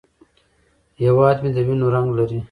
هیواد مې د وینو رنګ لري